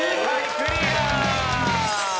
クリア！